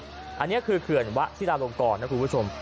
อันนี้คือเครื่องวะศิลาโรงกรนะครับคุณผู้ชม